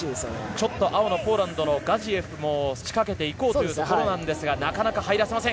ちょっと青のポーランドのガジエフも仕掛けていこうというところですがなかなか入らせません。